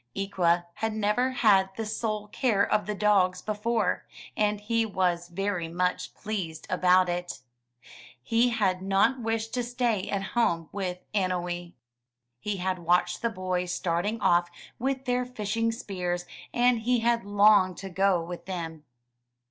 Ikwa had never had the sole care of the dogs before, and he was very much pleased about it. He had not wished to stay at home with Annowee. He had watched the boys starting off with their fishing spears, and he had longed to go with them.